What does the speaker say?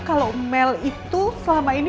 kalau mel itu selama ini